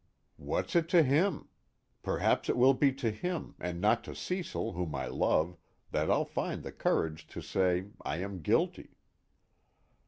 _What's it to him? Perhaps it will be to him, and not to Cecil whom I love, that I'll find the courage to say: I am guilty.